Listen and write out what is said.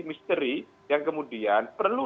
misteri yang kemudian perlu